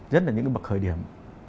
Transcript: rất là những cái bậc khởi điểm